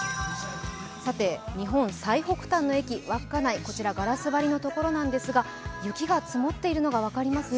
日本最北端の駅、稚内、こちらガラス張りのところですが、雪が積もっているのが分かりますね。